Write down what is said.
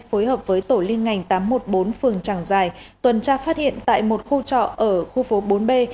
phối hợp với tổ liên ngành tám trăm một mươi bốn phường tràng giài tuần tra phát hiện tại một khu trọ ở khu phố bốn b